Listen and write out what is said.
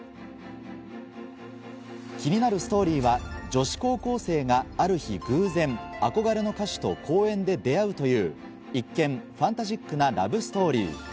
気になるストーリーは女子高校生がある日偶然、憧れの歌手と公園で出会うという一見ファンタジックなラブストーリー。